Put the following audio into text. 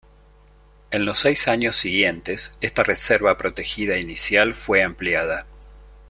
En los seis años siguientes, esta reserva protegida inicial fue ampliada.